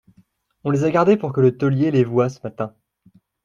On les a gardés pour que le taulier les voie ce matin.